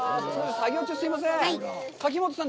作業中、すいません。